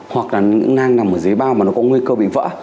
hoặc là những nang nằm ở dưới bao mà nó có nguy cơ bị vỡ